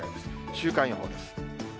週間予報です。